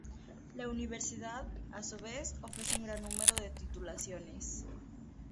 La Universidad, a su vez, ofrece un gran número de titulaciones.